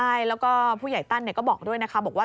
ใช่แล้วก็ผู้ใหญ่ตั้นก็บอกด้วยนะคะบอกว่า